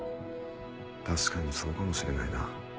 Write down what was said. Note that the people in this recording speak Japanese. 確かにそうかもしれないな。